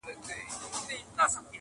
• پکي پټ دي داستانونه -